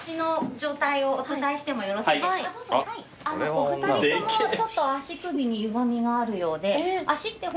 お二人とも足首にゆがみがあるようで。